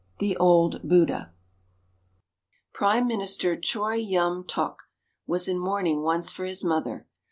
XLIV THE "OLD BUDDHA" Prime Minister Choi Yun tok was in mourning once for his mother.